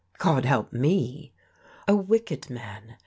God help me! A wicked man!